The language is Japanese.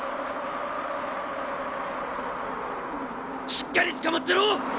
しっかりつかまってろ！